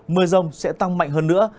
mưa rông sẽ tăng mạnh hơn nữa